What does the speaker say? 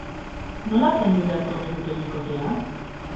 Nola zaindu beharko genuke bikotea?